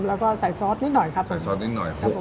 แล้วก็ใส่ซอสนิดหน่อยครับใส่ซอสนิดหน่อยครับผม